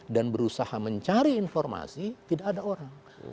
dan berusaha mencari informasi tidak ada orang